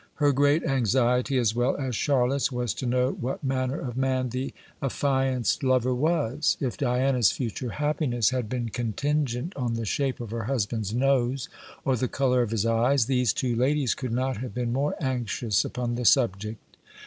Her great anxiety, as well as Charlotte's, was to know what manner of man the affianced lover was. If Diana's future happiness had been contingent on the shape of her husband's nose, or the colour of his eyes, these two ladies could not have been more anxious upon the subject.